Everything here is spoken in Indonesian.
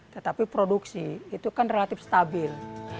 tetapi produksi itu kan relatif stabil